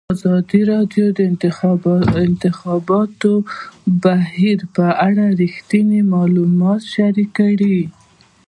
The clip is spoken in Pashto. ازادي راډیو د د انتخاباتو بهیر په اړه رښتیني معلومات شریک کړي.